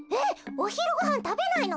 おひるごはんたべないの？